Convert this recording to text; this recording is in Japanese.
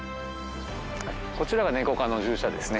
こちらがネコ科の獣舎ですね